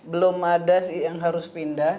belum ada yang harus pindah